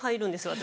私。